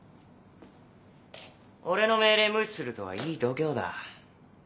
俺の命令無視するとはいい度胸だ。